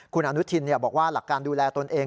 คุณอนุทินบอกว่าหลักการดูแลตนเอง